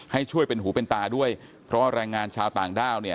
ให้ช่วยเป็นหูเป็นตาด้วยเพราะว่าแรงงานชาวต่างด้าวเนี่ย